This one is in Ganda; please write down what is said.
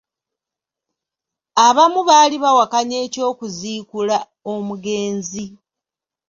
Abamu baali bawakanya eky'okuziikula omugenzi.